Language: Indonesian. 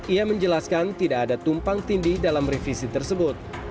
ia menjelaskan tidak ada tumpang tindih dalam revisi tersebut